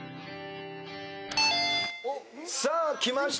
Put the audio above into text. さあきました